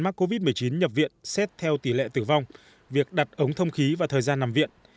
mắc covid một mươi chín nhập viện xét theo tỷ lệ tử vong việc đặt ống thông khí và thời gian nằm viện